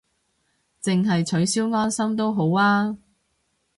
淨係取消安心都好吖